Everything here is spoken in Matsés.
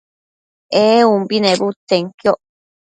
ee umbi nebudtsenquioc